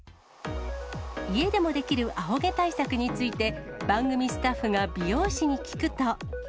家でもできるアホ毛対策について、番組スタッフが美容師に聞くと。